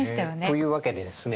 というわけでですね